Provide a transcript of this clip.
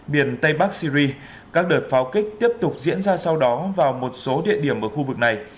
miền tây bắc syri các đợt pháo kích tiếp tục diễn ra sau đó vào một số địa điểm ở khu vực này